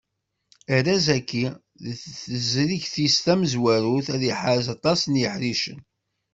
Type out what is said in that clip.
Arraz-agi, deg tezrigt-is tamezwarut, ad iḥaz aṭas n yiḥricen.